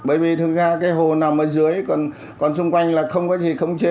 bởi vì thường ra cái hồ nằm ở dưới còn xung quanh là không có gì không chế